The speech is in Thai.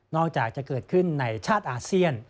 อกจากจะเกิดขึ้นในชาติอาเซียน